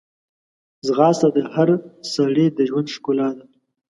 ځغاسته د هر سړي د ژوند ښکلا ده